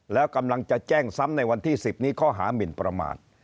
แล้วกำลังจะแจ้งซ้ำในวันที่๑๐นี้ข้อหามินประมาท